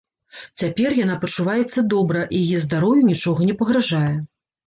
Цяпер яна пачуваецца добра, і яе здароўю нічога не пагражае.